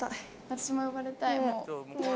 私も呼ばれたい、もう。